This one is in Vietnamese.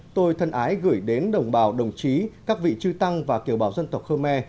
tôi thân ái gửi đến đồng bào đồng chí các vị trư tăng và kiều bào dân tộc khơ me